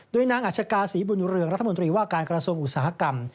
โดยนางอัชกาศรีบุญเรืองรัฐมนตรีว่าการกระทรวงอุตสาหกรรม